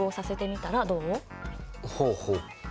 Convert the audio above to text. ほうほう。